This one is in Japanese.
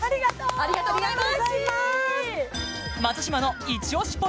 ありがとうございます